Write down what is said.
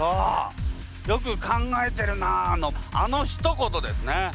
よく考えてるなのあのひと言ですね。